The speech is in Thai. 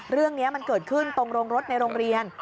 เรื่องนี้มันเกิดขึ้นตรงโรงรถในโรงเรียน